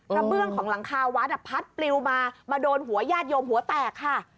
เบื้องของหลังคาวัดพัดปลิวมามาโดนหัวญาติโยมหัวแตกค่ะ